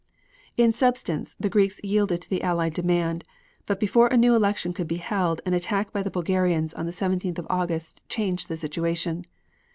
In substance, the Greeks yielded to the Allied demand, but before a new election could be held an attack by the Bulgarians on the 17th of August changed the situation.